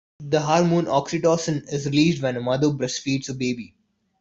The hormone oxytocin is released when a mother breastfeeds her baby.